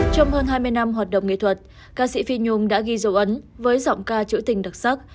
trong hơn hai mươi năm hoạt động nghệ thuật ca sĩ phi nhung đã ghi dấu ấn với giọng ca trữ tình đặc sắc